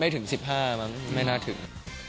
ไม่ถึง๑๕บาทค่ะไม่น่าถึง